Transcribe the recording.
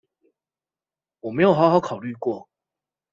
我沒有好好考慮過